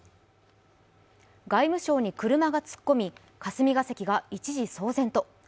外務省に車が突っ込み霞が関が一時騒然と。